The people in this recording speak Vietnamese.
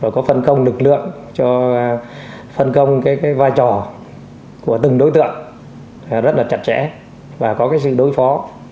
có phân công lực lượng cho phân công vai trò của từng đối tượng rất là chặt chẽ và có sự đối phó